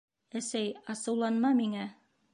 Әсәй, асыуланма миңә.